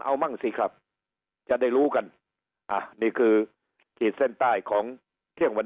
เอามั่งสิครับจะได้รู้กันอ่ะนี่คือขีดเส้นใต้ของเที่ยงวัน